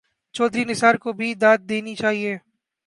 چوہدری نثار کو بھی داد دینی چاہیے۔